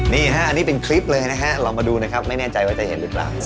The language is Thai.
นี่ฮะอันนี้เป็นคลิปเลยนะฮะเรามาดูนะครับไม่แน่ใจว่าจะเห็นหรือเปล่า